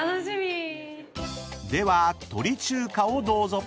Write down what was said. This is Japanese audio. ［では鳥中華をどうぞ！］